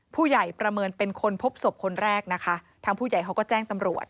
ประเมินเป็นคนพบศพคนแรกนะคะทางผู้ใหญ่เขาก็แจ้งตำรวจ